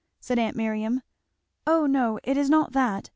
said aunt Miriam. "Oh no, it is not that!"